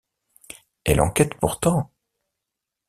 Elle enquête pourtant.